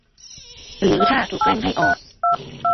หรือถ้าถูกแกล้งให้ออก